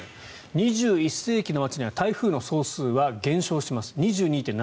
２１世紀の末には台風の総数は２２．７％減少します。